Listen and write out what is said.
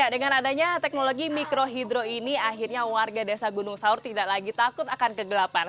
dengan adanya teknologi mikrohidro ini akhirnya warga desa gunung saur tidak lagi takut akan kegelapan